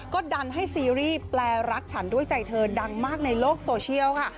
ก็ดันให้ซีรีส์แปลรักฉันด้วยใจเธอดังมากในโลกโซเชียลค่ะ